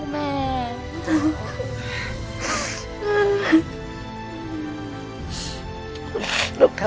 สู้เพื่อครอบครัว